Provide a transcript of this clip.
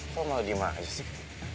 kok lo malah diem aja sih